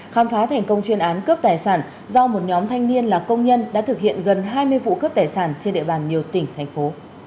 khám phá thành công chuyên án cướp tài sản do một nhóm thanh niên là công nhân đã thực hiện gần hai mươi vụ cướp tài sản trên địa bàn nhiều tỉnh thành phố